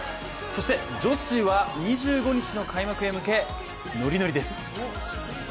そして女子は２５日の開幕へ向け、ノリノリです。